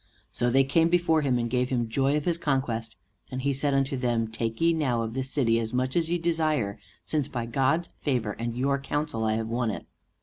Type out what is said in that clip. So they came before him and gave him joy of his conquest; and he said unto them, "Take ye now of this city as much as ye desire, since by God's favor and your counsel I have won it."